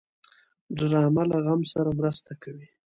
ډرامه له غم سره مرسته کوي